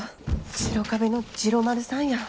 白壁の治郎丸さんや。